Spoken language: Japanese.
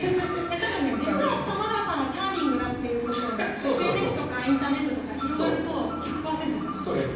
実は玉川さんはチャーミングだってことをＳＮＳとかインターネットとかで広がると１００％になると。